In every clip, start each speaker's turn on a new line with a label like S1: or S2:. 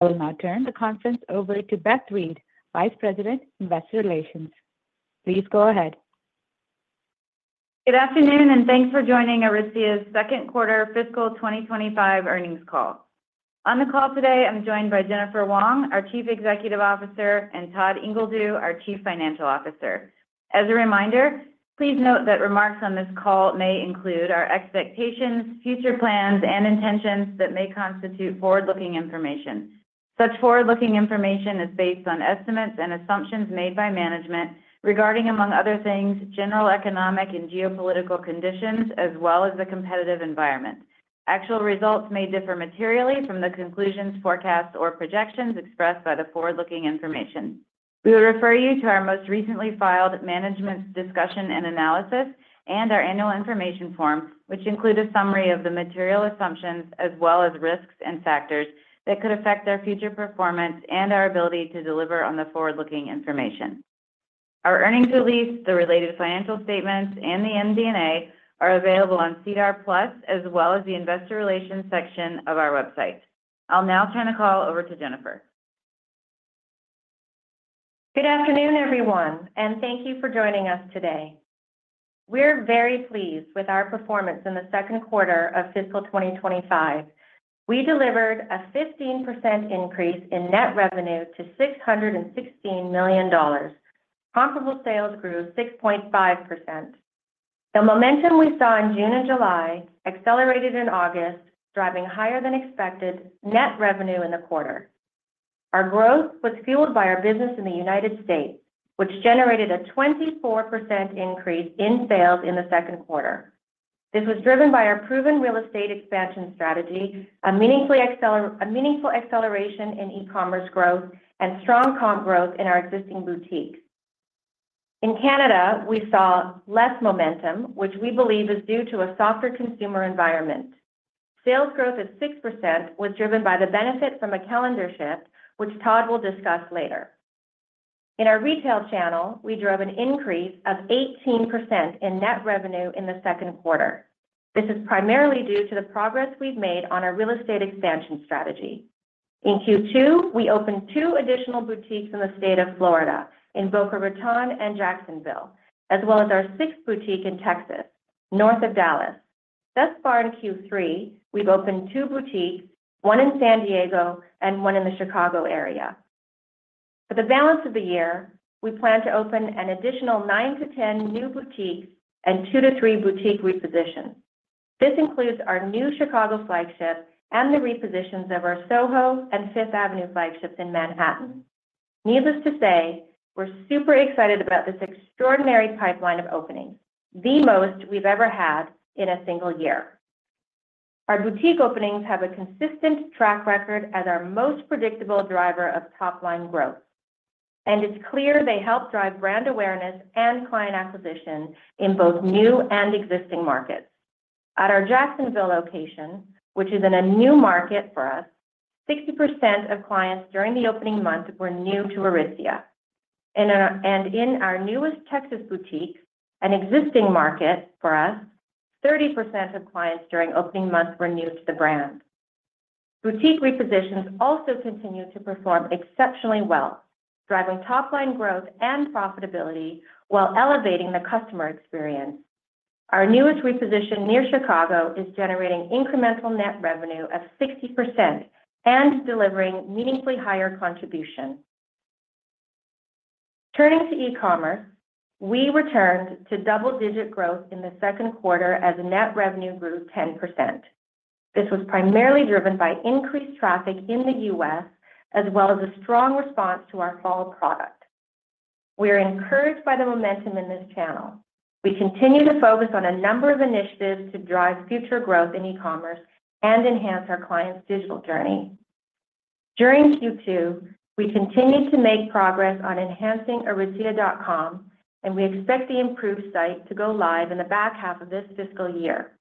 S1: I will now turn the conference over to Beth Reed, Vice President, Investor Relations. Please go ahead.
S2: Good afternoon, and thanks for joining Aritzia's second quarter fiscal 2025 earnings call. On the call today, I'm joined by Jennifer Wong, our Chief Executive Officer, and Todd Ingledew, our Chief Financial Officer. As a reminder, please note that remarks on this call may include our expectations, future plans, and intentions that may constitute forward-looking information. Such forward-looking information is based on estimates and assumptions made by management regarding, among other things, general economic and geopolitical conditions, as well as the competitive environment. Actual results may differ materially from the conclusions, forecasts, or projections expressed by the forward-looking information. We would refer you to our most recently filed management's discussion and analysis and our annual information form, which include a summary of the material assumptions as well as risks and factors that could affect our future performance and our ability to deliver on the forward-looking information. Our earnings release, the related financial statements, and the MD&A are available on SEDAR+, as well as the investor relations section of our website. I'll now turn the call over to Jennifer.
S3: Good afternoon, everyone, and thank you for joining us today. We're very pleased with our performance in the second quarter of fiscal 2025. We delivered a 15% increase in net revenue to 616 million dollars. Comparable sales grew 6.5%. The momentum we saw in June and July accelerated in August, driving higher than expected net revenue in the quarter. Our growth was fueled by our business in the United States, which generated a 24% increase in sales in the second quarter. This was driven by our proven real estate expansion strategy, a meaningful acceleration in e-commerce growth, and strong comp growth in our existing boutiques. In Canada, we saw less momentum, which we believe is due to a softer consumer environment. Sales growth of 6% was driven by the benefit from a calendar shift, which Todd will discuss later. In our retail channel, we drove an increase of 18% in net revenue in the second quarter. This is primarily due to the progress we've made on our real estate expansion strategy. In Q2, we opened two additional boutiques in the state of Florida, in Boca Raton and Jacksonville, as well as our sixth boutique in Texas, north of Dallas. Thus far in Q3, we've opened two boutiques, one in San Diego and one in the Chicago area. For the balance of the year, we plan to open an additional 9-10 new boutiques and 2-3 boutique repositions. This includes our new Chicago flagship and the repositions of our Soho and Fifth Avenue flagships in Manhattan. Needless to say, we're super excited about this extraordinary pipeline of openings, the most we've ever had in a single year. Our boutique openings have a consistent track record as our most predictable driver of top-line growth, and it's clear they help drive brand awareness and client acquisition in both new and existing markets. At our Jacksonville location, which is in a new market for us, 60% of clients during the opening month were new to Aritzia. And in our newest Texas boutique, an existing market for us, 30% of clients during opening month were new to the brand. Boutique repositions also continue to perform exceptionally well, driving top-line growth and profitability while elevating the customer experience. Our newest reposition near Chicago is generating incremental net revenue of 60% and delivering meaningfully higher contribution. Turning to e-commerce, we returned to double-digit growth in the second quarter as net revenue grew 10%. This was primarily driven by increased traffic in the U.S., as well as a strong response to our fall product. We are encouraged by the momentum in this channel. We continue to focus on a number of initiatives to drive future growth in e-commerce and enhance our clients' digital journey. During Q2, we continued to make progress on enhancing Aritzia.com, and we expect the improved site to go live in the back half of this fiscal year.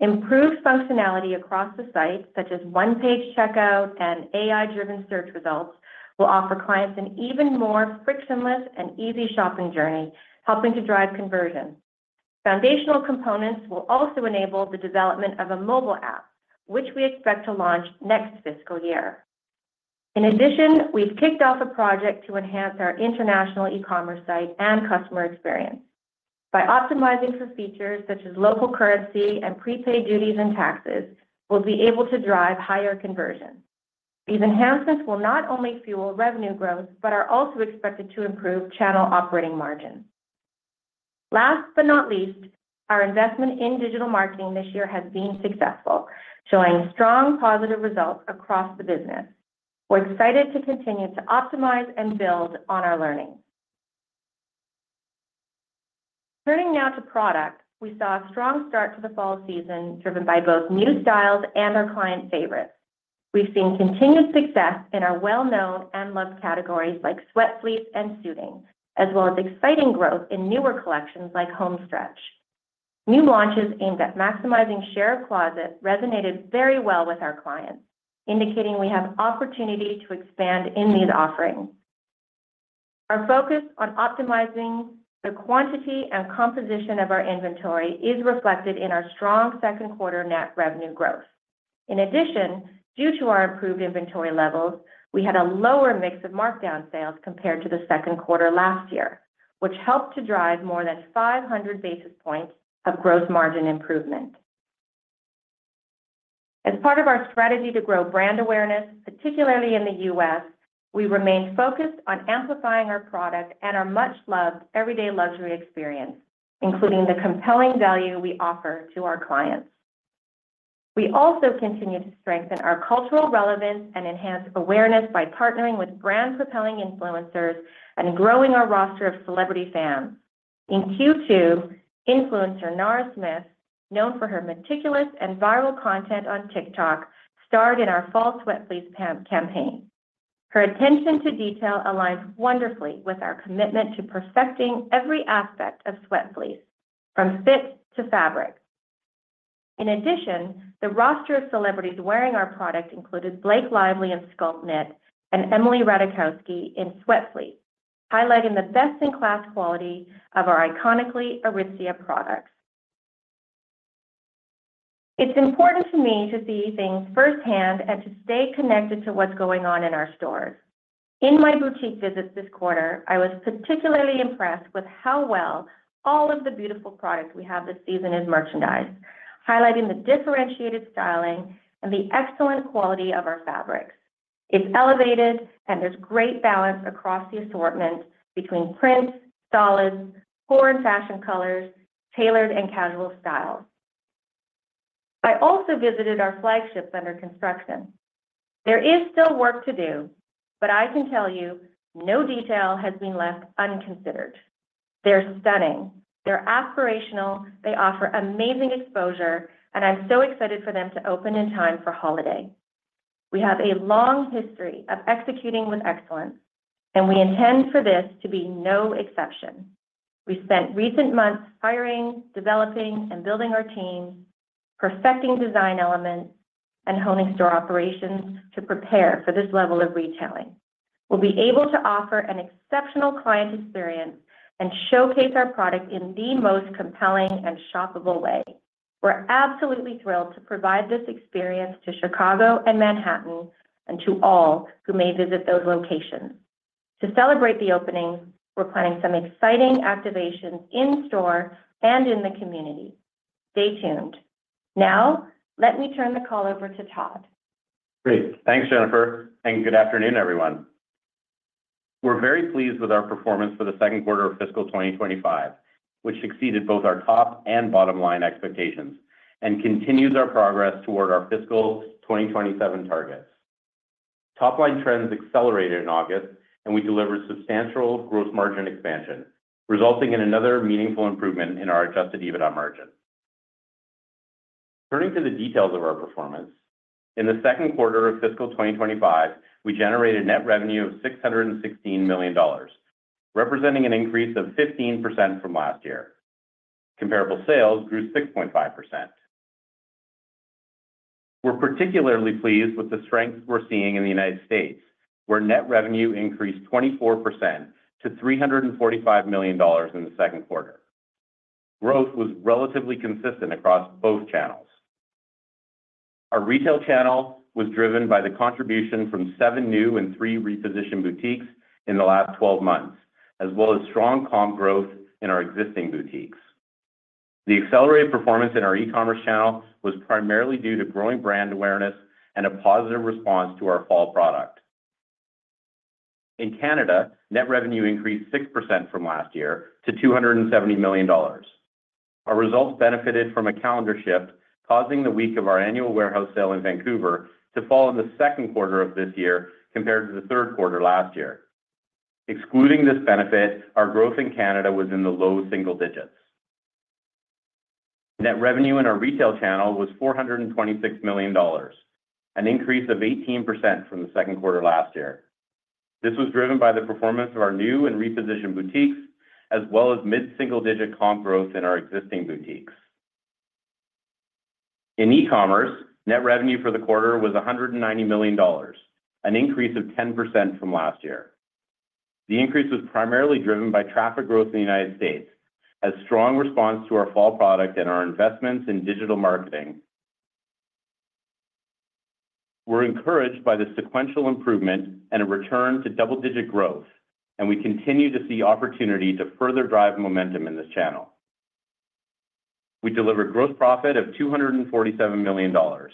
S3: Improved functionality across the site, such as one-page checkout and AI-driven search results, will offer clients an even more frictionless and easy shopping journey, helping to drive conversion. Foundational components will also enable the development of a mobile app, which we expect to launch next fiscal year. In addition, we've kicked off a project to enhance our international e-commerce site and customer experience. By optimizing for features such as local currency and prepaid duties and taxes, we'll be able to drive higher conversion. These enhancements will not only fuel revenue growth but are also expected to improve channel operating margins. Last but not least, our investment in digital marketing this year has been successful, showing strong positive results across the business. We're excited to continue to optimize and build on our learnings. Turning now to product, we saw a strong start to the fall season, driven by both new styles and our client favorites. We've seen continued success in our well-known and loved categories like Sweats Sleep and Suiting, as well as exciting growth in newer collections like Homestretch. New launches aimed at maximizing share of closet resonated very well with our clients, indicating we have opportunity to expand in these offerings. Our focus on optimizing the quantity and composition of our inventory is reflected in our strong second quarter net revenue growth. In addition, due to our improved inventory levels, we had a lower mix of markdown sales compared to the second quarter last year, which helped to drive more than 500 basis points of gross margin improvement. As part of our strategy to grow brand awareness, particularly in the U.S., we remain focused on amplifying our product and our much-loved Everyday Luxury experience, including the compelling value we offer to our clients. We also continue to strengthen our cultural relevance and enhance awareness by partnering with brand-propelling influencers and growing our roster of celebrity fans. In Q2, influencer Nara Smith, known for her meticulous and viral content on TikTok, starred in our fall Sweatfleece campaign. Her attention to detail aligns wonderfully with our commitment to perfecting every aspect of Sweatfleece, from fit to fabric. In addition, the roster of celebrities wearing our product included Blake Lively in Sculpt Knit and Emily Ratajkowski in Sweatfleece, highlighting the best-in-class quality of our iconic Aritzia products. It's important to me to see things firsthand and to stay connected to what's going on in our stores. In my boutique visits this quarter, I was particularly impressed with how well all of the beautiful products we this season have is merchandised, highlighting the differentiated styling and the excellent quality of our fabrics. It's elevated, and there's great balance across the assortment between prints, solids, core and fashion colors, tailored and casual styles. I also visited our flagship under construction. There is still work to do, but I can tell you, no detail has been left unconsidered. They're stunning, they're aspirational, they offer amazing exposure, and I'm so excited for them to open in time for holiday. We have a long history of executing with excellence, and we intend for this to be no exception. We spent recent months hiring, developing, and building our team, perfecting design elements, and honing store operations to prepare for this level of retailing. We'll be able to offer an exceptional client experience and showcase our product in the most compelling and shoppable way. We're absolutely thrilled to provide this experience to Chicago and Manhattan and to all who may visit those locations. To celebrate the opening, we're planning some exciting activations in-store and in the community. Stay tuned. Now, let me turn the call over to Todd.
S4: Great. Thanks, Jennifer, and good afternoon, everyone. We're very pleased with our performance for the second quarter of fiscal 2025, which exceeded both our top and bottom-line expectations and continues our progress toward our fiscal 2027 targets. Top-line trends accelerated in August, and we delivered substantial gross margin expansion, resulting in another meaningful improvement in our adjusted EBITDA margin. Turning to the details of our performance, in the second quarter of fiscal 2025, we generated net revenue of 616 million dollars, representing an increase of 15% from last year. Comparable sales grew 6.5%. We're particularly pleased with the strength we're seeing in the United States, where net revenue increased 24% to 345 million dollars in the second quarter. Growth was relatively consistent across both channels. Our retail channel was driven by the contribution from seven new and three repositioned boutiques in the last 12 months, as well as strong comp growth in our existing boutiques. The accelerated performance in our e-commerce channel was primarily due to growing brand awareness and a positive response to our fall product. In Canada, net revenue increased 6% from last year to 270 million dollars. Our results benefited from a calendar shift, causing the week of our annual Warehouse Sale in Vancouver to fall in the second quarter of this year compared to the third quarter last year. Excluding this benefit, our growth in Canada was in the low single digits. Net revenue in our retail channel was 426 million dollars, an increase of 18% from the second quarter last year. This was driven by the performance of our new and repositioned boutiques, as well as mid-single-digit comp growth in our existing boutiques. In e-commerce, net revenue for the quarter was 190 million dollars, an increase of 10% from last year. The increase was primarily driven by traffic growth in the United States and a strong response to our fall product and our investments in digital marketing. We're encouraged by the sequential improvement and a return to double-digit growth, and we continue to see opportunity to further drive momentum in this channel. We delivered gross profit of 247 million dollars,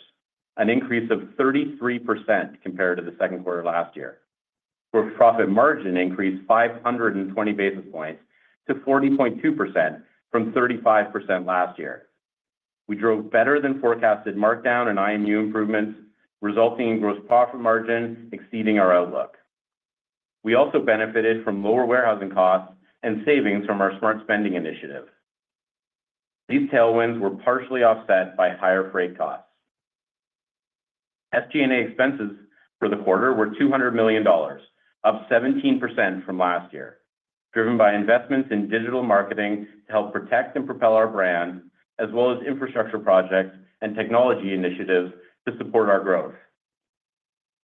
S4: an increase of 33% compared to the second quarter last year. Gross profit margin increased 520 basis points to 40.2% from 35% last year. We drove better than forecasted markdown and IMU improvements, resulting in gross profit margin exceeding our outlook. We also benefited from lower warehousing costs and savings from our smart spending initiative. These tailwinds were partially offset by higher freight costs. SG&A expenses for the quarter were $200 million, up 17% from last year, driven by investments in digital marketing to help protect and propel our brand, as well as infrastructure projects and technology initiatives to support our growth.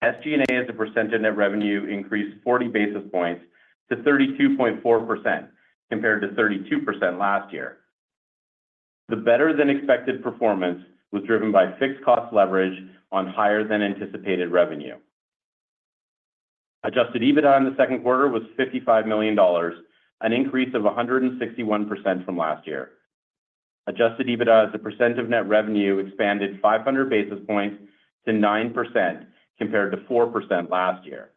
S4: SG&A as a percent of net revenue increased 40 basis points to 32.4%, compared to 32% last year. The better-than-expected performance was driven by fixed cost leverage on higher than anticipated revenue. Adjusted EBITDA in the second quarter was $55 million, an increase of 161% from last year. Adjusted EBITDA as a percent of net revenue expanded 500 basis points to 9%, compared to 4% last year.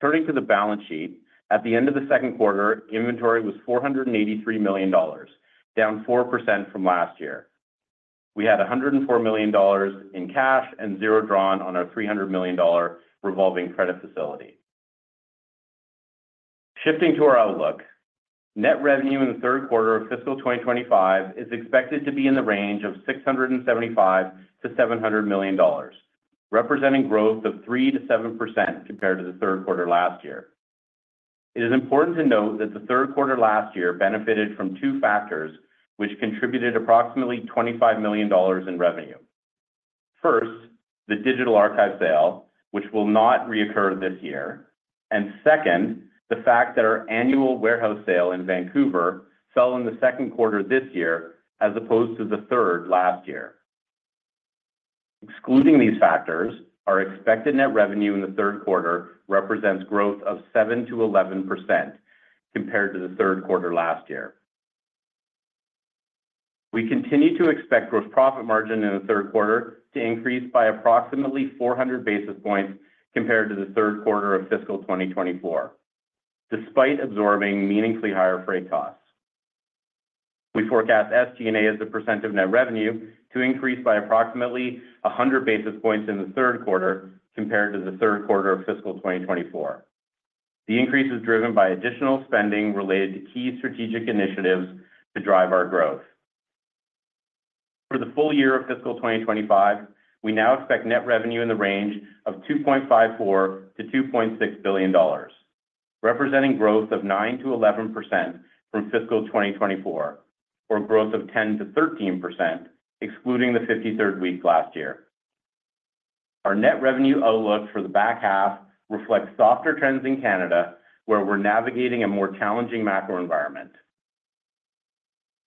S4: Turning to the balance sheet, at the end of the second quarter, inventory was $483 million, down 4% from last year. We had $104 million in cash and zero drawn on our $300 million revolving credit facility. Shifting to our outlook, net revenue in the third quarter of fiscal 2025 is expected to be in the range of $675-$700 million, representing growth of 3%-7% compared to the third quarter last year. It is important to note that the third quarter last year benefited from two factors, which contributed approximately $25 million in revenue. First, the Digital Archive Sale, which will not reoccur this year, and second, the fact that our annual Warehouse Salein Vancouver fell in the second quarter this year as opposed to the third last year. Excluding these factors, our expected net revenue in the third quarter represents growth of 7%-11% compared to the third quarter last year. We continue to expect gross profit margin in the third quarter to increase by approximately 400 basis points compared to the third quarter of fiscal 2024, despite absorbing meaningfully higher freight costs. We forecast SG&A as a percent of net revenue to increase by approximately 100 basis points in the third quarter compared to the third quarter of fiscal 2024. The increase is driven by additional spending related to key strategic initiatives to drive our growth. For the full year of fiscal 2025, we now expect net revenue in the range of $2.54-$2.6 billion, representing growth of 9%-11% from fiscal 2024, or growth of 10%-13%, excluding the 53rd week last year. Our net revenue outlook for the back half reflects softer trends in Canada, where we're navigating a more challenging macro environment.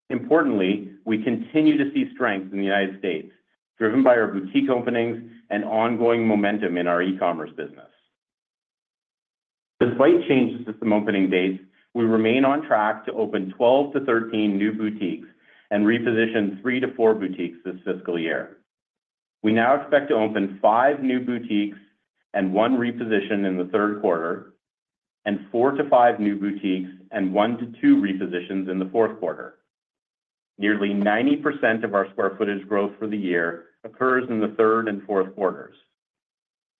S4: Importantly, we continue to see strength in the United States, driven by our boutique openings and ongoing momentum in our e-commerce business. Despite changed system opening dates, we remain on track to open 12-13 new boutiques and reposition 3-4 boutiques this fiscal year. We now expect to open 5 new boutiques, and one reposition in the third quarter, and 4-5 new boutiques and 1-2 repositions in the fourth quarter. Nearly 90% of our square footage growth for the year occurs in the third and fourth quarters.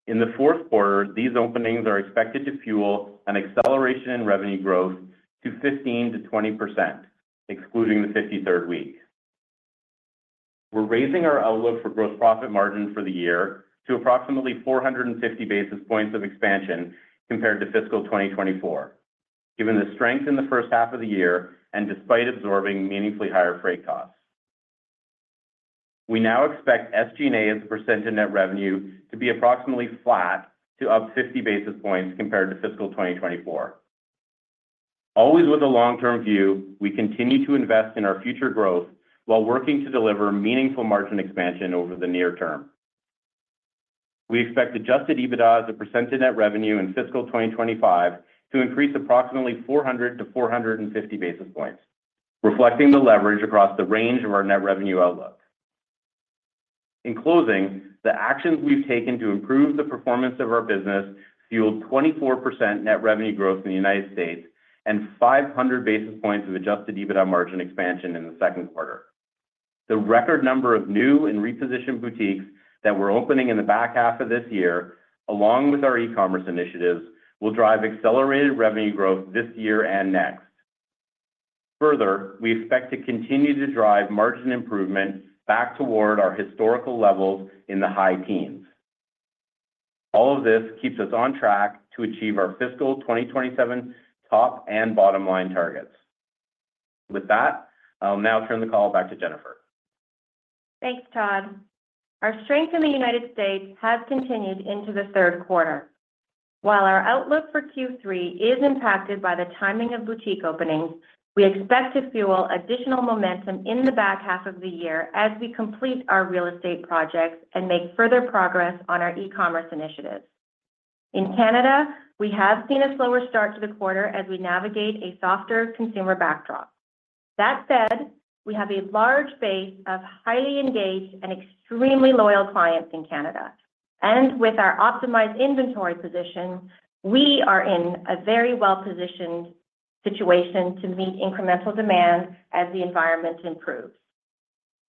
S4: In the fourth quarter, these openings are expected to fuel an acceleration in revenue growth to 15%-20%, excluding the 53rd week. We're raising our outlook for gross profit margin for the year to approximately 450 basis points of expansion compared to fiscal 2024, given the strength in the first half of the year and despite absorbing meaningfully higher freight costs. We now expect SG&A as a percent of net revenue to be approximately flat to up 50 basis points compared to fiscal 2024. Always with a long-term view, we continue to invest in our future growth while working to deliver meaningful margin expansion over the near term. We expect Adjusted EBITDA as a percent of net revenue in fiscal 2025 to increase approximately 400-450 basis points, reflecting the leverage across the range of our net revenue outlook. In closing, the actions we've taken to improve the performance of our business fueled 24% net revenue growth in the United States and 500 basis points of Adjusted EBITDA margin expansion in the second quarter. The record number of new and repositioned boutiques that we're opening in the back half of this year, along with our e-commerce initiatives, will drive accelerated revenue growth this year and next. Further, we expect to continue to drive margin improvement back toward our historical levels in the high teens. All of this keeps us on track to achieve our fiscal 2027 top and bottom-line targets. With that, I'll now turn the call back to Jennifer.
S3: Thanks, Todd. Our strength in the United States has continued into the third quarter. While our outlook for Q3 is impacted by the timing of boutique openings, we expect to fuel additional momentum in the back half of the year as we complete our real estate projects and make further progress on our e-commerce initiatives. In Canada, we have seen a slower start to the quarter as we navigate a softer consumer backdrop. That said, we have a large base of highly engaged and extremely loyal clients in Canada, and with our optimized inventory position, we are in a very well-positioned situation to meet incremental demand as the environment improves.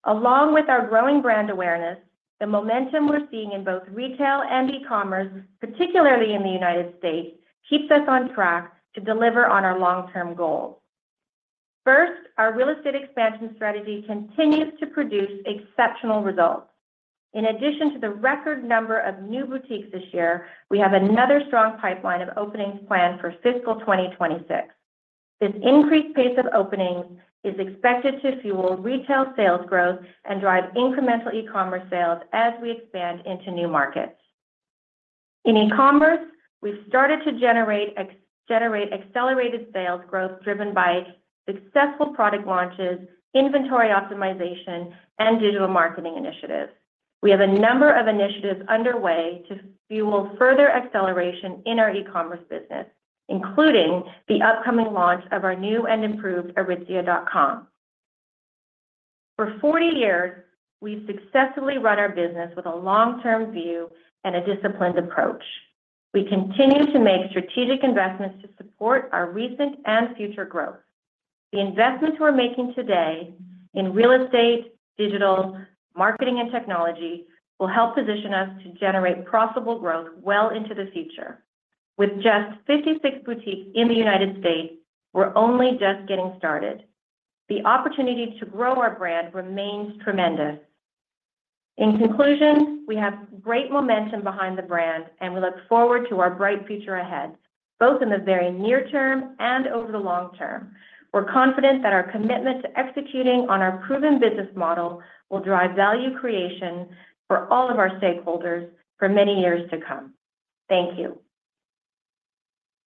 S3: Along with our growing brand awareness, the momentum we're seeing in both retail and e-commerce, particularly in the United States, keeps us on track to deliver on our long-term goals. First, our real estate expansion strategy continues to produce exceptional results. In addition to the record number of new boutiques this year, we have another strong pipeline of openings planned for fiscal 2026. This increased pace of openings is expected to fuel retail sales growth and drive incremental e-commerce sales as we expand into new markets. In e-commerce, we've started to generate accelerated sales growth driven by successful product launches, inventory optimization, and digital marketing initiatives. We have a number of initiatives underway to fuel further acceleration in our e-commerce business, including the upcoming launch of our new and improved Aritzia.com. For 40 years, we've successfully run our business with a long-term view and a disciplined approach. We continue to make strategic investments to support our recent and future growth. The investments we're making today in real estate, digital, marketing, and technology will help position us to generate profitable growth well into the future. With just 56 boutiques in the United States, we're only just getting started. The opportunity to grow our brand remains tremendous. In conclusion, we have great momentum behind the brand, and we look forward to our bright future ahead, both in the very near term and over the long term. We're confident that our commitment to executing on our proven business model will drive value creation for all of our stakeholders for many years to come. Thank you.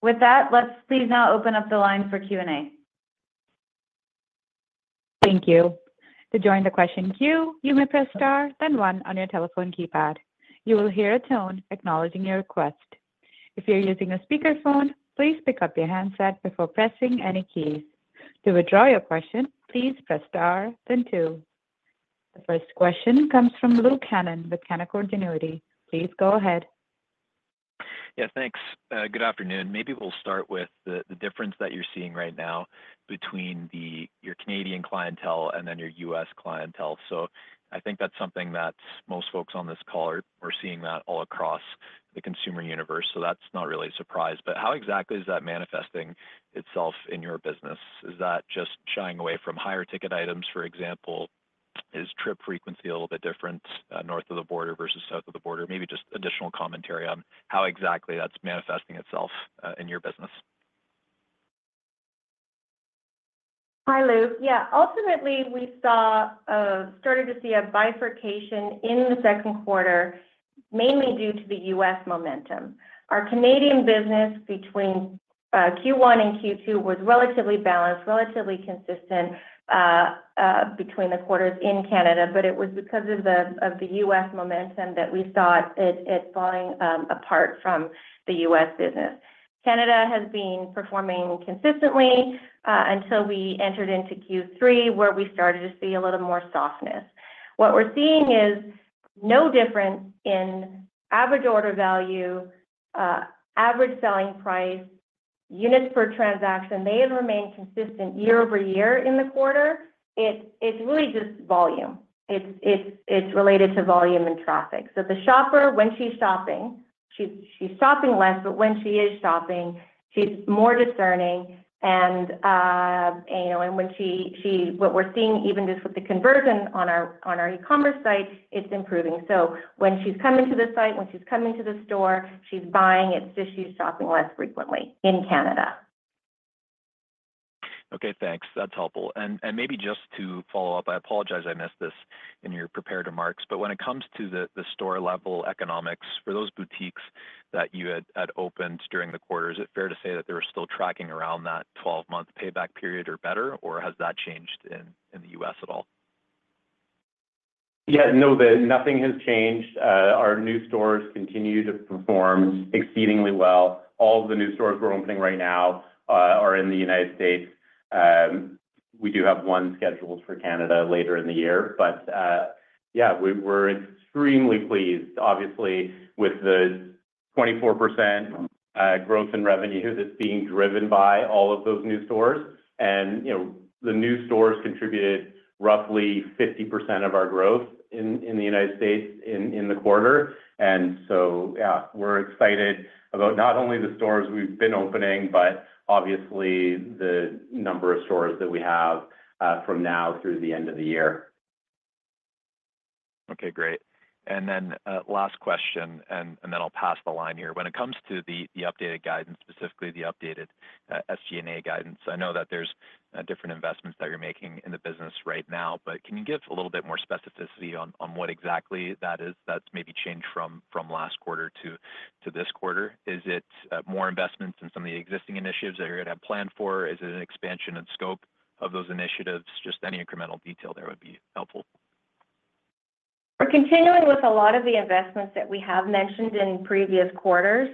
S3: With that, let's please now open up the line for Q&A.
S1: Thank you. To join the question queue, you may press Star, then One on your telephone keypad. You will hear a tone acknowledging your request. If you're using a speakerphone, please pick up your handset before pressing any keys. To withdraw your question, please press Star, then Two. The first question comes from Luke Hannan with Canaccord Genuity. Please go ahead.
S5: Yeah, thanks. Good afternoon. Maybe we'll start with the difference that you're seeing right now between your Canadian clientele and then your US clientele. So, I think that's something that most folks on this call we're seeing that all across the consumer universe, so that's not really a surprise. But how exactly is that manifesting itself in your business? Is that just shying away from higher ticket items, for example? Is trip frequency a little bit different north of the border versus south of the border? Maybe just additional commentary on how exactly that's manifesting itself in your business.
S3: Hi, Luke. Yeah, ultimately, we saw, started to see a bifurcation in the second quarter, mainly due to the U.S. momentum. Our Canadian business between, Q1 and Q2 was relatively balanced, relatively consistent, between the quarters in Canada, but it was because of the, of the U.S. momentum that we saw it falling, apart from the U.S. business. Canada has been performing consistently, until we entered into Q3, where we started to see a little more softness. What we're seeing is no difference in average order value, average selling price. Units per transaction, they have remained consistent year over year in the quarter. It's related to volume and traffic. So, the shopper, when she's shopping, she's shopping less, but when she is shopping, she's more discerning and, you know, and when she, she... What we're seeing, even just with the conversion on our e-commerce site, it's improving. So when she's coming to the site, when she's coming to the store, she's buying. It's just she's shopping less frequently in Canada.
S5: Okay, thanks. That's helpful, and maybe just to follow up. I apologize I missed this in your prepared remarks, but when it comes to the store-level economics for those boutiques that you had opened during the quarter, is it fair to say that they were still tracking around that twelve-month payback period or better, or has that changed in the U.S. at all?
S4: Yeah, no, then nothing has changed. Our new stores continue to perform exceedingly well. All the new stores we're opening right now are in the United States. We do have one scheduled for Canada later in the year, but yeah, we're extremely pleased, obviously, with the 24% growth in revenue that's being driven by all of those new stores. And, you know, the new stores contributed roughly 50% of our growth in the United States in the quarter. And so, yeah, we're excited about not only the stores we've been opening, but obviously, the number of stores that we have from now through the end of the year.
S5: Okay, great. And then last question, and then I'll pass the line here. When it comes to the updated guidance, specifically the updated SG&A guidance, I know that there's different investments that you're making in the business right now, but can you give a little bit more specificity on what exactly that is that's maybe changed from last quarter to this quarter? Is it more investments in some of the existing initiatives that you're going to have planned for? Is it an expansion in scope of those initiatives? Just any incremental detail there would be helpful.
S3: We're continuing with a lot of the investments that we have mentioned in previous quarters.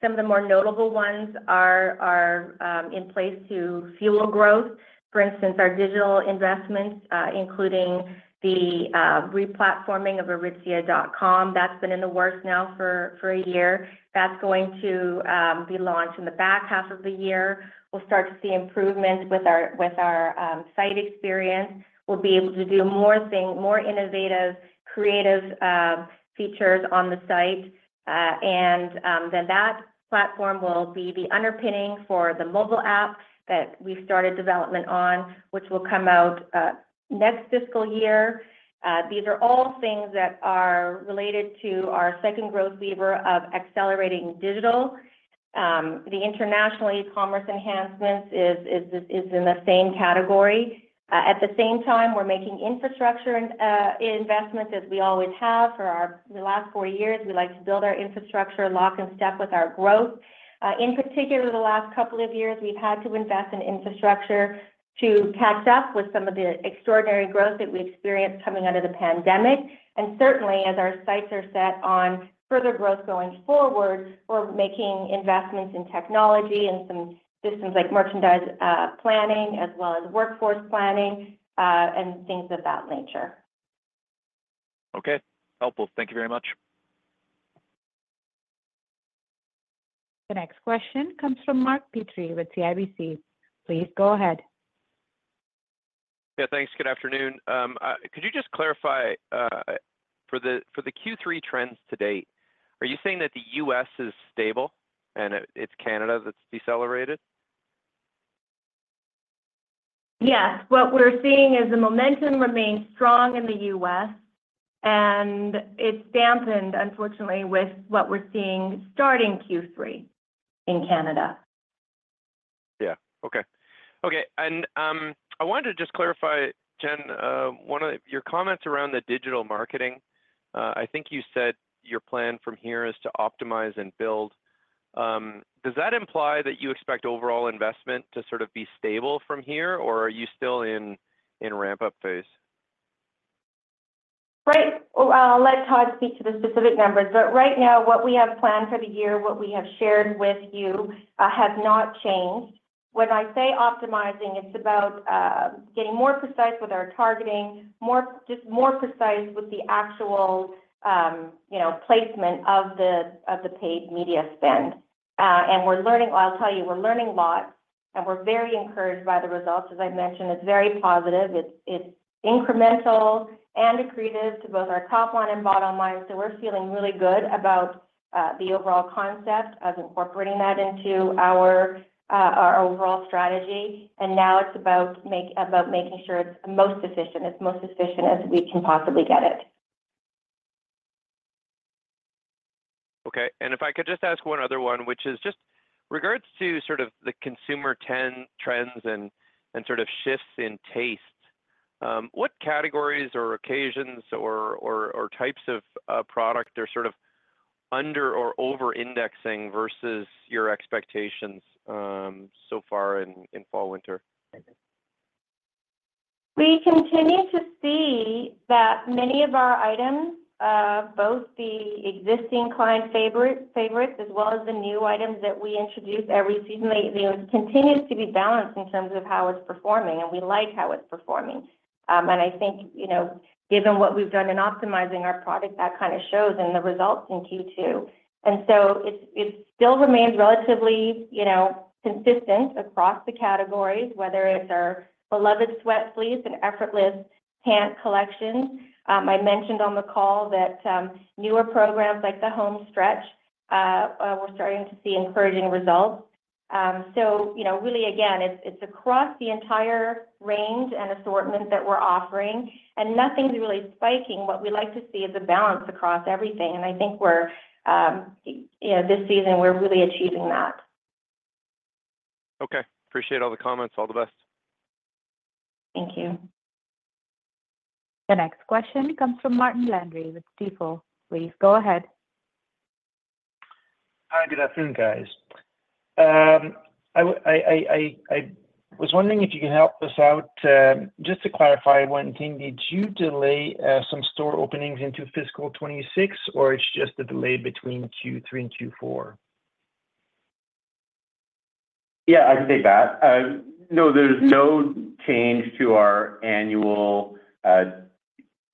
S3: Some of the more notable ones are in place to fuel growth. For instance, our digital investments, including the replatforming of Aritzia.com. That's been in the works now for a year. That's going to be launched in the back half of the year. We'll start to see improvement with our site experience. We'll be able to do more things, more innovative, creative features on the site. And then that platform will be the underpinning for the mobile app that we started development on, which will come out next fiscal year. These are all things that are related to our second growth lever of accelerating digital. The international e-commerce enhancements is in the same category. At the same time, we're making infrastructure investments as we always have for our last four years. We like to build our infrastructure in lock and step with our growth. In particular, the last couple of years, we've had to invest in infrastructure to catch up with some of the extraordinary growth that we experienced coming out of the pandemic, and certainly as our sights are set on further growth going forward, we're making investments in technology and some systems like merchandise planning, as well as workforce planning, and things of that nature.
S5: Okay, helpful. Thank you very much.
S1: The next question comes from Mark Petrie with CIBC. Please go ahead.
S6: Yeah, thanks. Good afternoon. Could you just clarify, for the Q3 trends to date, are you saying that the US is stable, and it's Canada that's decelerated?
S3: Yes. What we're seeing is the momentum remains strong in the U.S., and it's dampened, unfortunately, with what we're seeing starting Q3 in Canada.
S6: Yeah. Okay. Okay, and I wanted to just clarify, Jen, one of your comments around the digital marketing. I think you said your plan from here is to optimize and build. Does that imply that you expect overall investment to sort of be stable from here, or are you still in ramp-up phase?
S3: Right. I'll let Todd speak to the specific numbers, but right now, what we have planned for the year, what we have shared with you, has not changed. When I say optimizing, it's about getting more precise with our targeting, more, just more precise with the actual, you know, placement of the paid media spend. And we're learning. I'll tell you, we're learning a lot, and we're very encouraged by the results. As I mentioned, it's very positive. It's incremental and accretive to both our top line and bottom line, so we're feeling really good about the overall concept of incorporating that into our overall strategy, and now it's about making sure it's most efficient as we can possibly get it.
S6: Okay. And if I could just ask one other one, which is just regards to sort of the consumer ten trends and sort of shifts in taste, what categories or occasions or types of product are sort of under or over-indexing versus your expectations, so far in fall/winter?
S3: We continue to see that many of our items, both the existing client favorites, as well as the new items that we introduce every season, continues to be balanced in terms of how it's performing, and we like how it's performing. And I think, you know, given what we've done in optimizing our product, that kind of shows in the results in Q2. So, it still remains relatively, you know, consistent across the categories, whether it's our beloved Sweatfleece and Effortless Pant collection. I mentioned on the call that newer programs like the Home Stretch, we're starting to see encouraging results. So, you know, really, again, it's across the entire range and assortment that we're offering, and nothing's really spiking. What we like to see is a balance across everything, and I think we're, you know, this season, we're really achieving that.
S6: Okay. Appreciate all the comments. All the best.
S3: Thank you.
S1: The next question comes from Martin Landry with Stifel. Please go ahead.
S7: Hi, good afternoon, guys. I was wondering if you could help us out, just to clarify one thing: Did you delay some store openings into fiscal twenty-six, or it's just a delay between Q3 and Q4?
S4: Yeah, I can take that. No, there's no change to our annual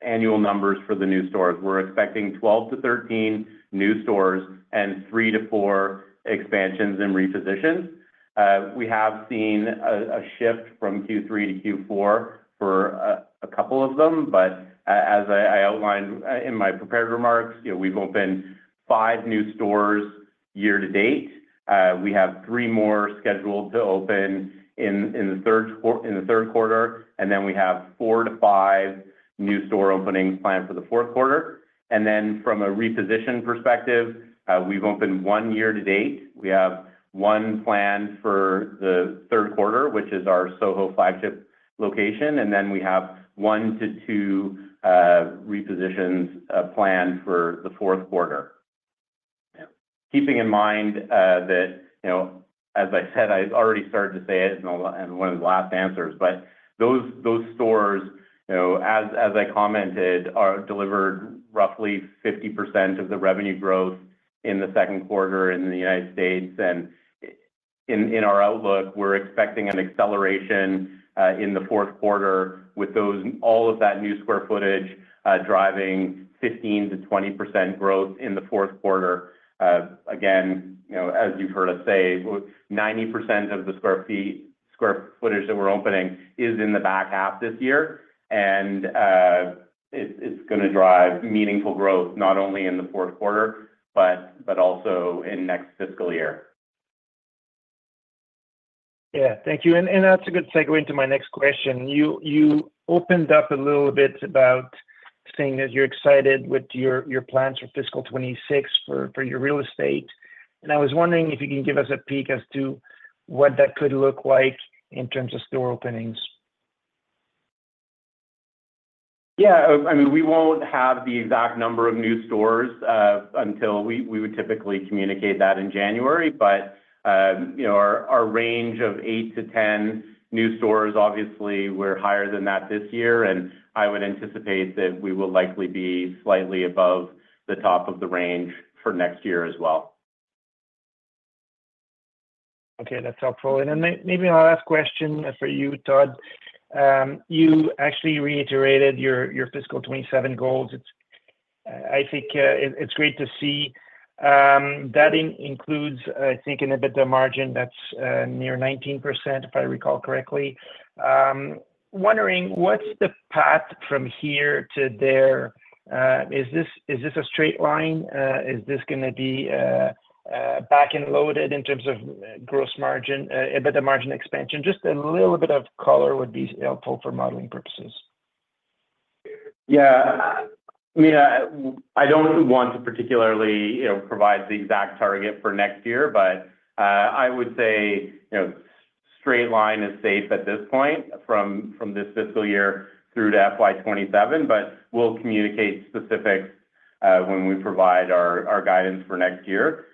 S4: numbers for the new stores. We're expecting 12-13 new stores and three to four expansions and repositions. We have seen a shift from Q3 to Q4 for a couple of them, but as I outlined in my prepared remarks, you know, we've opened five new stores year to date. We have three more scheduled to open in the third quarter, and then we have four to five new store openings planned for the fourth quarter. And then from a reposition perspective, we've opened one year to date. We have one planned for the third quarter, which is our Soho flagship location, and then we have one to two repositions planned for the fourth quarter. Keeping in mind, that, you know, as I said, I'd already started to say it in one of the last answers, but those stores, you know, as I commented, are delivered roughly 50% of the revenue growth in the second quarter in the United States, and in our outlook, we're expecting an acceleration in the fourth quarter with those... all of that new square footage driving 15%-20% growth in the fourth quarter. Again, you know, as you've heard us say, 90% of the square feet- square footage that we're opening is in the back half this year, and it's gonna drive meaningful growth, not only in the fourth quarter, but also in next fiscal year....
S7: Yeah, thank you. And that's a good segue into my next question. You opened up a little bit about saying that you're excited with your plans for fiscal twenty-six for your real estate, and I was wondering if you can give us a peek as to what that could look like in terms of store openings?
S4: Yeah, I mean, we won't have the exact number of new stores until we would typically communicate that in January, but you know, our range of eight to 10 new stores, obviously, we're higher than that this year, and I would anticipate that we will likely be slightly above the top of the range for next year as well.
S7: Okay, that's helpful. And then maybe my last question for you, Todd. You actually reiterated your fiscal twenty-seven goals. It's great to see. That includes, I think, in EBITDA margin, that's near 19%, if I recall correctly. Wondering, what's the path from here to there? Is this a straight line? Is this gonna be back-end loaded in terms of gross margin, EBITDA margin expansion? Just a little bit of color would be helpful for modeling purposes.
S4: Yeah. I mean, I don't want to particularly, you know, provide the exact target for next year, but I would say, you know, straight line is safe at this point, from this fiscal year through to FY 2027, but we'll communicate specifics when we provide our guidance for next year.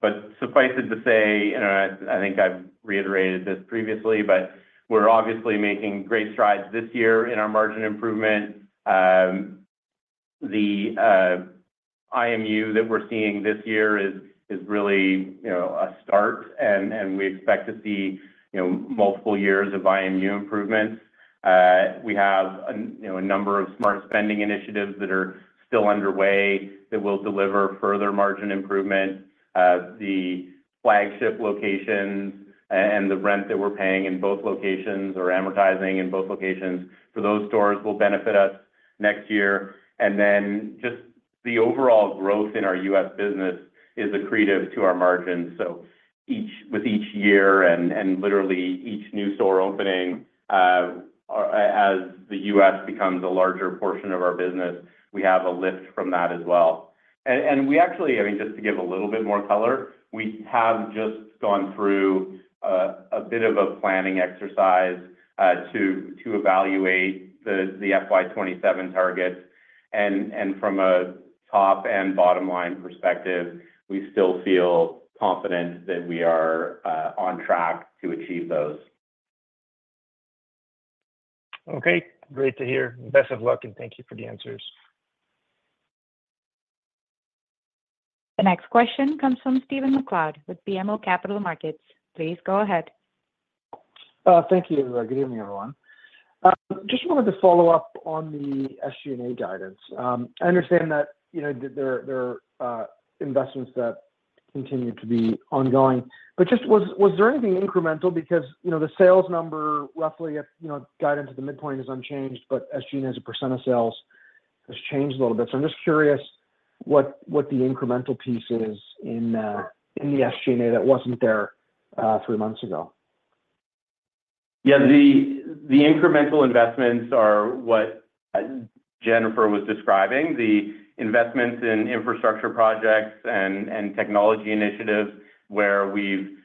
S4: But suffice it to say, and I think I've reiterated this previously, but we're obviously making great strides this year in our margin improvement. The IMU that we're seeing this year is really, you know, a start, and we expect to see, you know, multiple years of IMU improvements. We have a, you know, a number of Smart Spending initiatives that are still underway that will deliver further margin improvement. The flagship locations and the rent that we're paying in both locations or amortizing in both locations for those stores will benefit us next year. And then just the overall growth in our U.S. business is accretive to our margins. So, with each year and literally each new store opening, as the U.S. becomes a larger portion of our business, we have a lift from that as well. And we actually, I mean, just to give a little bit more color, we have just gone through a bit of a planning exercise to evaluate the FY 2027 targets, and from a top and bottom-line perspective, we still feel confident that we are on track to achieve those.
S7: Okay. Great to hear. Best of luck and thank you for the answers.
S1: The next question comes from Stephen MacLeod with BMO Capital Markets. Please go ahead.
S8: Thank you. Good evening, everyone. Just wanted to follow up on the SG&A guidance. I understand that, you know, that there are investments that continue to be ongoing, but just was there anything incremental? Because, you know, the sales number, roughly at, you know, guidance to the midpoint, is unchanged, but SG&A, as a % of sales, has changed a little bit. So I'm just curious what the incremental piece is in the SG&A that wasn't there three months ago.
S4: Yeah, the incremental investments are what Jennifer was describing, the investments in infrastructure projects and technology initiatives, where we've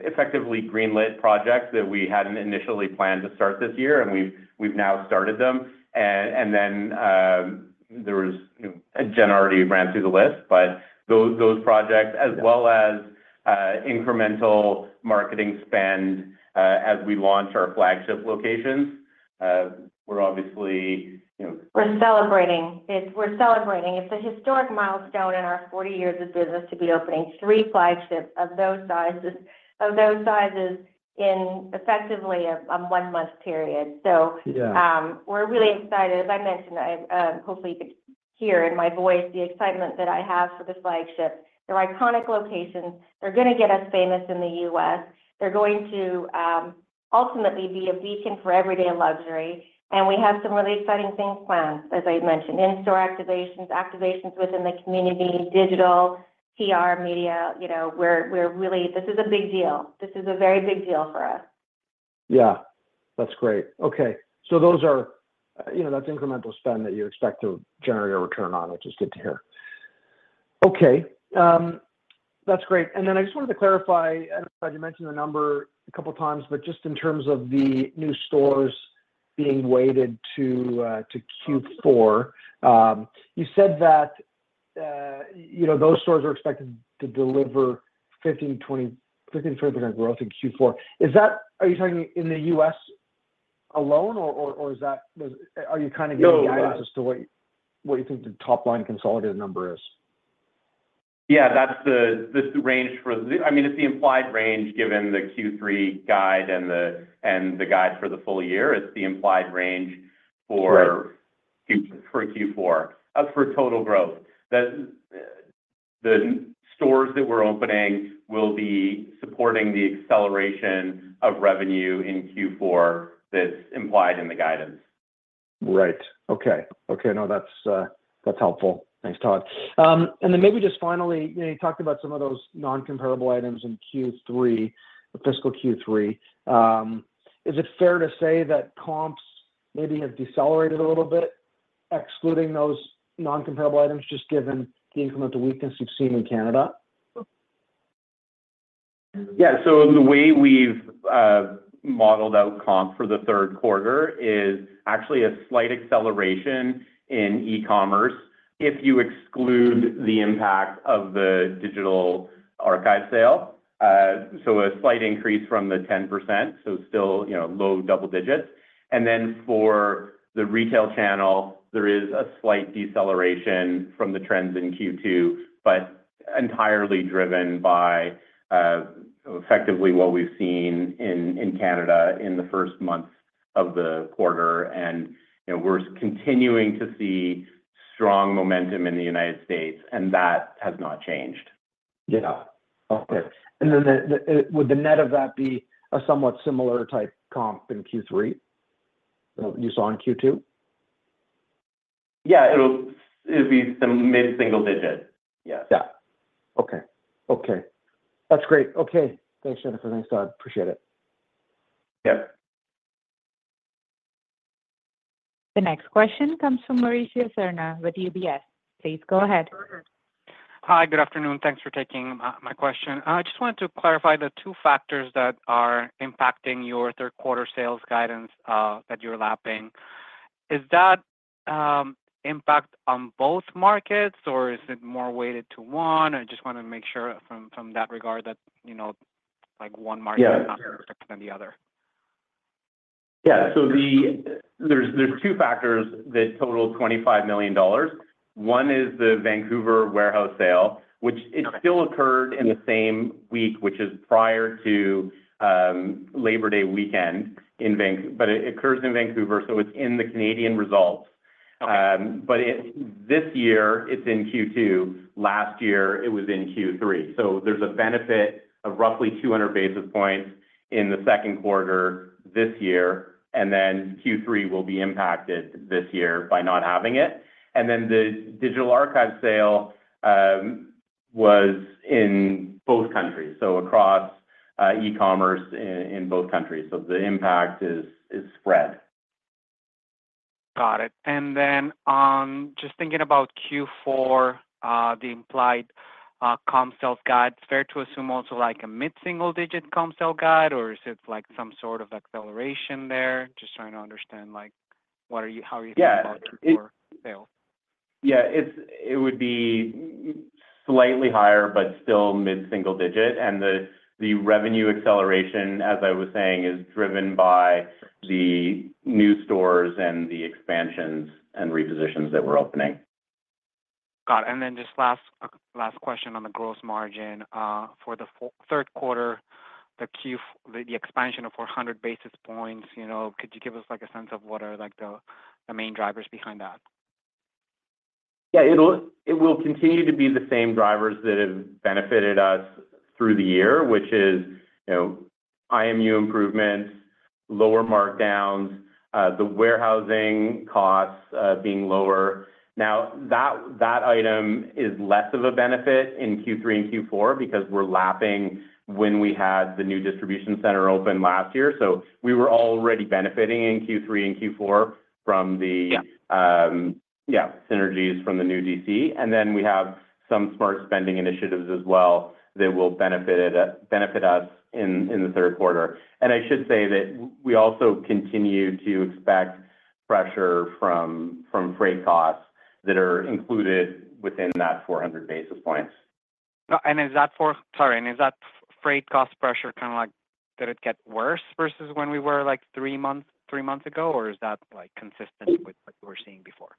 S4: effectively greenlit projects that we hadn't initially planned to start this year, and we've now started them. And then, there was, you know... Jen already ran through the list, but those projects, as well as incremental marketing spend, as we launch our flagship locations, we're obviously, you know-
S3: We're celebrating. It's a historic milestone in our forty years of business to be opening three flagships of those sizes in effectively a one-month period. So-
S8: Yeah.
S3: We're really excited. As I mentioned, hopefully, you could hear in my voice the excitement that I have for the flagship. They're iconic locations. They're gonna get us famous in the U.S. They're going to ultimately be a beacon for Everyday Luxury, and we have some really exciting things planned, as I mentioned, in-store activations, activations within the community, digital, PR, media. You know, we're really... This is a big deal. This is a very big deal for us.
S8: Yeah. That's great. Okay. So those are, you know, that's incremental spend that you expect to generate a return on, which is good to hear. Okay, that's great. And then I just wanted to clarify, and you mentioned the number a couple of times, but just in terms of the new stores being weighted to Q4, you said that, you know, those stores are expected to deliver 15-20% growth in Q4. Is that? Are you talking in the U.S. alone, or is that? Are you kind of giving?
S4: No
S8: Guidance as to what you think the top-line consolidated number is?
S4: Yeah, that's the range for the... I mean, it's the implied range given the Q3 guide and the guide for the full year. It's the implied range for-
S8: Right
S4: Q4 for Q4. As for total growth, the stores that we're opening will be supporting the acceleration of revenue in Q4 that's implied in the guidance....
S8: Right. Okay. Okay, no, that's, that's helpful. Thanks, Todd. And then maybe just finally, you know, you talked about some of those non-comparable items in Q3, the fiscal Q3. Is it fair to say that comps maybe have decelerated a little bit, excluding those non-comparable items, just given the incremental weakness we've seen in Canada?
S4: Yeah. So the way we've modeled out comp for the third quarter is actually a slight acceleration in e-commerce if you exclude the impact of the digital archive sale. So a slight increase from the 10%, so still, you know, low double digits. And then for the retail channel, there is a slight deceleration from the trends in Q2, but entirely driven by effectively what we've seen in Canada in the first month of the quarter. And, you know, we're continuing to see strong momentum in the United States, and that has not changed.
S8: Yeah. Okay. And then, would the net of that be a somewhat similar type comp in Q3 you saw in Q2?
S4: Yeah. It'll be some mid-single digit. Yeah.
S8: Yeah. Okay. Okay, that's great. Okay. Thanks, Jennifer. Thanks, Todd. Appreciate it.
S4: Yeah.
S1: The next question comes from Mauricio Serna with UBS. Please go ahead.
S9: Hi. Good afternoon. Thanks for taking my question. I just wanted to clarify the two factors that are impacting your third quarter sales guidance that you're lapping. Is that impact on both markets, or is it more weighted to one? I just wanted to make sure from that regard that you know like one market-
S4: Yeah
S9: -than the other.
S4: Yeah. So, there are two factors that total $25 million. One is the Vancouver Warehouse Sale, which it still occurred in the same week, which is prior to Labor Day weekend, but it occurs in Vancouver, so it's in the Canadian results.
S9: Okay.
S4: But it this year, it's in Q2. Last year, it was in Q3. So, there's a benefit of roughly 200 basis points in the second quarter this year, and then Q3 will be impacted this year by not having it. And then the Digital Archive Sale was in both countries, so across e-commerce in both countries. So, the impact is spread.
S9: Got it. And then, just thinking about Q4, the implied comp sales guide, fair to assume also like a mid-single digit comp sale guide, or is it like some sort of acceleration there? Just trying to understand, like, what are you how are you-
S4: Yeah
S9: Thinking about Q4 sales?
S4: Yeah, it would be slightly higher, but still mid-single digit. And the revenue acceleration, as I was saying, is driven by the new stores and the expansions and repositions that we're opening.
S9: Got it and then just last question on the gross margin. For the third quarter, the expansion of four hundred basis points, you know, could you give us, like, a sense of what are, like, the main drivers behind that?
S4: Yeah. It'll continue to be the same drivers that have benefited us through the year, which is, you know, IMU improvements, lower markdowns, the warehousing costs being lower. Now, that item is less of a benefit in Q3 and Q4 because we're lapping when we had the new distribution center open last year. So we were already benefiting in Q3 and Q4 from the-
S9: Yeah...
S4: yeah, synergies from the new DC. Then we have some Smart Spending initiatives as well that will benefit it, benefit us in the third quarter. I should say that we also continue to expect pressure from freight costs that are included within that 400 basis points.
S9: No, and is that for... Sorry, and is that freight cost pressure, kinda like, did it get worse versus when we were, like, three months ago? Or is that, like, consistent with what you were seeing before?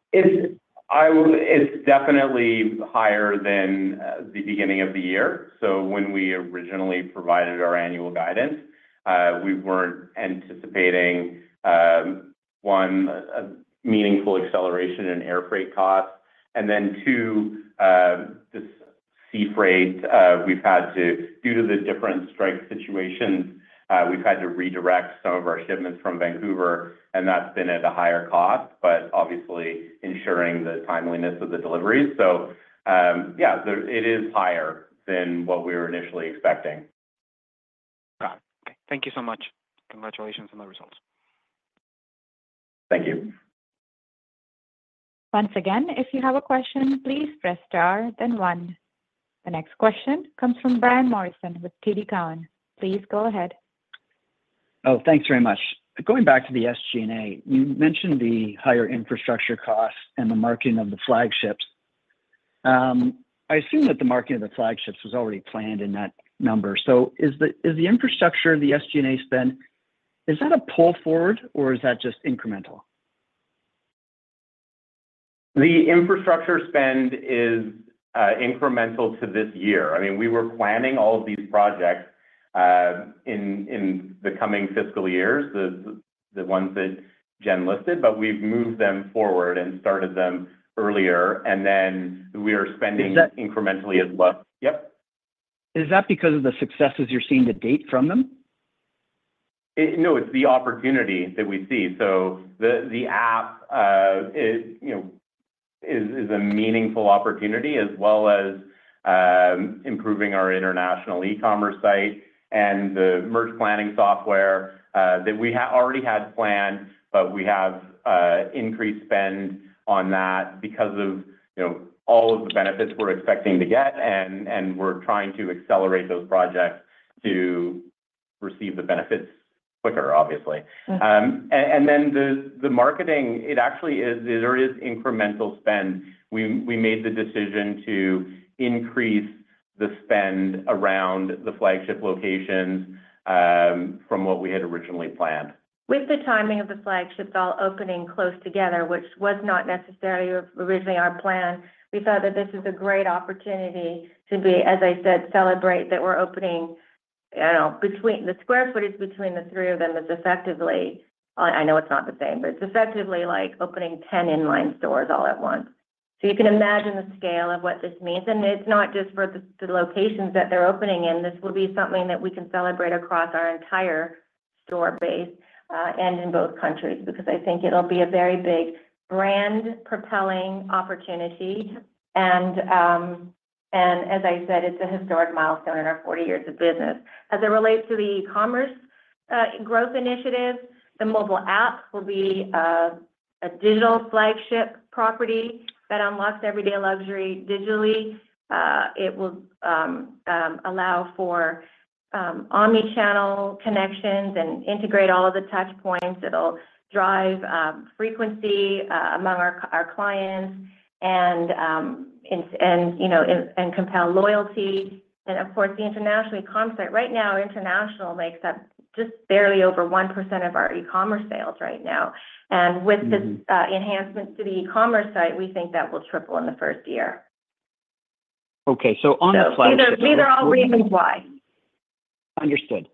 S4: It's definitely higher than the beginning of the year. So when we originally provided our annual guidance, we weren't anticipating one, a meaningful acceleration in air freight costs, and then two, this sea freight. Due to the different strike situations, we've had to redirect some of our shipments from Vancouver, and that's been at a higher cost, but obviously ensuring the timeliness of the deliveries. So, yeah, so it is higher than what we were initially expecting.
S9: Got it. Okay. Thank you so much. Congratulations on the results.
S4: Thank you.
S1: Once again, if you have a question, please press Star, then 1. The next question comes from Brian Morrison with TD Cowen. Please go ahead.
S10: Oh, thanks very much. Going back to the SG&A, you mentioned the higher infrastructure costs and the marketing of the flagships. I assume that the marketing of the flagships was already planned in that number. So, is the infrastructure of the SG&A spend a pull forward, or is that just incremental?
S4: The infrastructure spend is incremental to this year. I mean, we were planning all of these projects in the coming fiscal years, the ones that Jen listed, but we've moved them forward and started them earlier, and then we are spending-
S8: Is that-
S4: incrementally as well. Yep?...
S10: Is that because of the successes you're seeing to date from them?
S4: No, it's the opportunity that we see. So the app is, you know, a meaningful opportunity, as well as improving our international e-commerce site and the merch planning software that we already had planned, but we have increased spend on that because of, you know, all of the benefits we're expecting to get, and we're trying to accelerate those projects to receive the benefits quicker, obviously. And then the marketing, it actually is, there is incremental spend. We made the decision to increase the spend around the flagship locations, from what we had originally planned.
S3: With the timing of the flagships all opening close together, which was not necessarily or originally our plan, we thought that this is a great opportunity to be, as I said, celebrate that we're opening. I don't know, the square footage between the three of them is effectively, I know it's not the same, but it's effectively like opening ten in-line stores all at once. So, you can imagine the scale of what this means, and it's not just for the locations that they're opening in. This will be something that we can celebrate across our entire store base, and in both countries, because I think it'll be a very big brand-propelling opportunity. And, and as I said, it's a historic milestone in our forty years of business. As it relates to the e-commerce growth initiative, the mobile app will be a digital flagship property that unlocks Everyday Luxury digitally. It will allow for omni-channel connections and integrate all of the touch points. It'll drive frequency among our clients, and you know compel loyalty. And of course, the international e-commerce site. Right now, international makes up just barely over 1% of our e-commerce sales right now. With this enhancement to the e-commerce site, we think that will triple in the first year.
S10: Okay, so on the flagships-
S3: So, these are, these are all reasons why.
S10: Understood.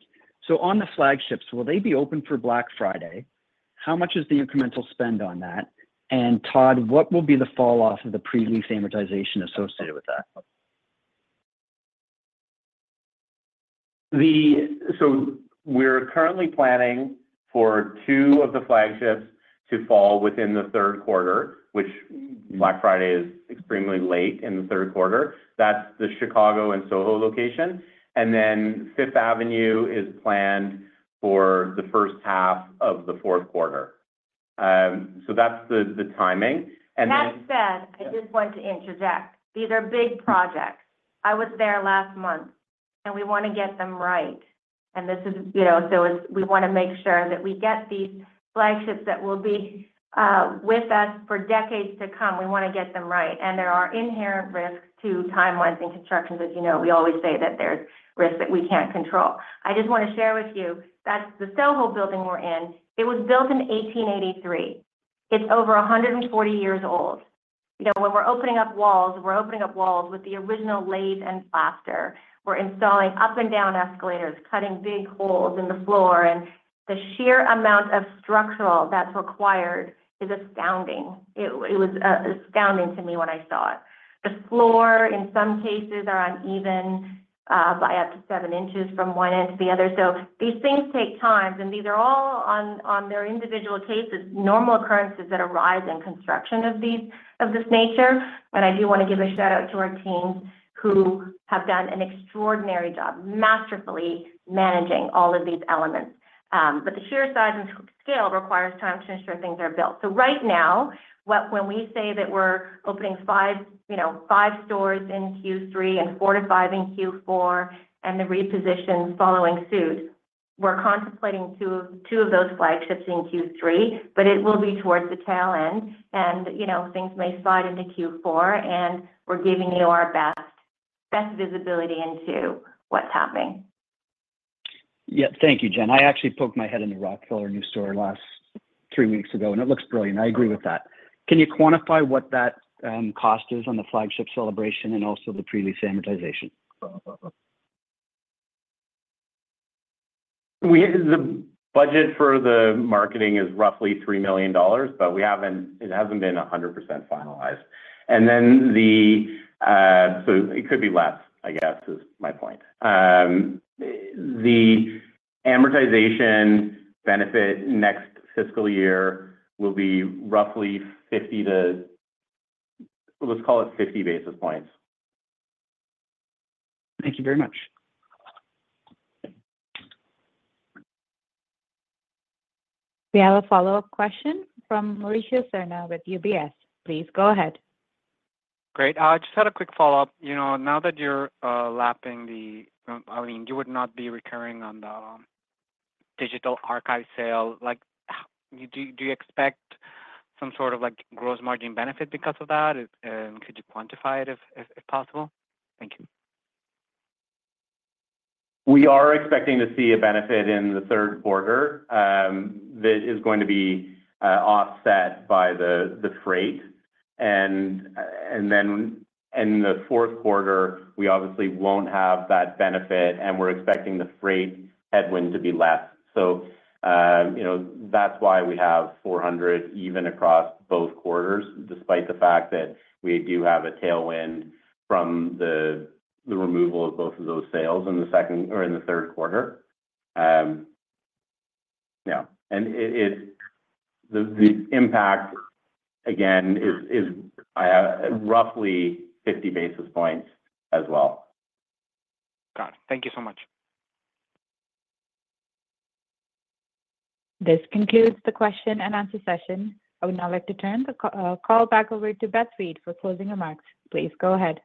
S10: So, on the flagships, will they be open for Black Friday? How much is the incremental spend on that? And Todd, what will be the fall off of the pre-lease amortization associated with that?
S4: So, we're currently planning for two of the flagships to fall within the third quarter, which Black Friday is extremely late in the third quarter. That's the Chicago and Soho location. And then Fifth Avenue is planned for the first half of the fourth quarter. So that's the timing. And then-
S3: That said, I just want to interject. These are big projects. I was there last month, and we wanna get them right. And this is, you know, so it's we wanna make sure that we get these flagships that will be, with us for decades to come. We wanna get them right, and there are inherent risks to timelines and constructions. As you know, we always say that there's risks that we can't control. I just wanna share with you that the Soho building we're in, it was built in eighteen eighty-three. It's over a hundred and forty years old. You know, when we're opening up walls with the original lathe and plaster. We're installing up and down escalators, cutting big holes in the floor, and the sheer amount of structural that's required is astounding. It, it was astounding to me when I saw it. The floor, in some cases, are uneven by up to seven inches from one end to the other. So, these things take time, and these are all on their individual cases, normal occurrences that arise in construction of this nature. And I do wanna give a shout-out to our teams who have done an extraordinary job, masterfully managing all of these elements. But the sheer size and scale require time to ensure things are built. So right now, when we say that we're opening five, you know, five stores in Q3 and four to five in Q4, and the reposition following suit, we're contemplating two of those flagships in Q3, but it will be towards the tail end. You know, things may slide into Q4, and we're giving you our best, best visibility into what's happening.
S10: Yeah. Thank you, Jen. I actually poked my head in the Rockefeller new store last three weeks ago, and it looks brilliant. I agree with that. Can you quantify what that cost is on the flagship celebration and also the pre-lease amortization?
S4: The budget for the marketing is roughly $3 million, but we haven't, it hasn't been 100% finalized. And then, so it could be less, I guess, is my point. The amortization benefit next fiscal year will be roughly 50 to... Let's call it 50 basis points.
S10: Thank you very much.
S1: We have a follow-up question from Mauricio Serna with UBS. Please go ahead.
S9: Great. I just had a quick follow-up. You know, now that you're lapping the... I mean, you would not be recurring on the digital archive sale. Like, how do you expect some sort of, like, gross margin benefit because of that? And could you quantify it if possible? Thank you.
S4: We are expecting to see a benefit in the third quarter that is going to be offset by the freight. Then in the fourth quarter, we obviously won't have that benefit, and we're expecting the freight headwind to be less. You know, that's why we have 400 even across both quarters, despite the fact that we do have a tailwind from the removal of both of those sales in the second or in the third quarter. The impact, again, is roughly 50 basis points as well.
S9: Got it. Thank you so much.
S1: This concludes the question-and-answer session. I would now like to turn the call back over to Beth Reed for closing remarks. Please go ahead.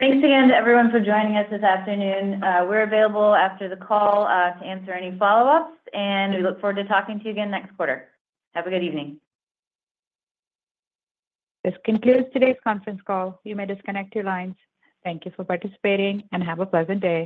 S2: Thanks again to everyone for joining us this afternoon. We're available after the call to answer any follow-ups, and we look forward to talking to you again next quarter. Have a good evening.
S1: This concludes today's conference call. You may disconnect your lines. Thank you for participating and have a pleasant day.